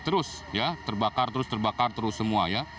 terus ya terbakar terus terbakar terus semua ya